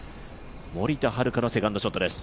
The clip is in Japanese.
森田遥のセカンドショットです。